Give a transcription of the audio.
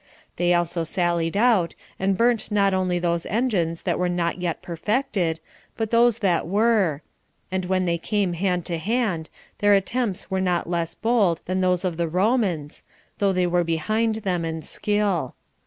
They also sallied out, and burnt not only those engines that were not yet perfected, but those that were; and when they came hand to hand, their attempts were not less bold than those of the Romans, though they were behind them in skill.